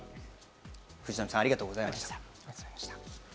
藤富さん、ありがとうございました。